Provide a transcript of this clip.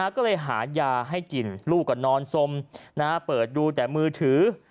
ก็เลยหายาให้กินลูกก็นอนสมเปิดดูแต่มือถือ